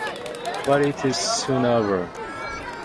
But it is soon over.